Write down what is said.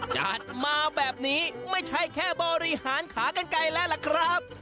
จัดมาแบบนี้ไม่ใช่แค่บริหารขากันไกลแล้วล่ะครับ